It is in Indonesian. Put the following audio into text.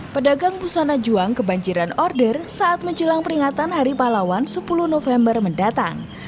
pedagang busana juang kebanjiran order saat menjelang peringatan hari pahlawan sepuluh november mendatang